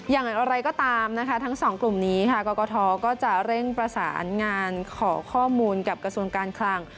อย่างไรก็ตามทั้ง๒กลุ่มนี้ก็จะเร่งประสานงานขอข้อมูลกับกระทบการคลัง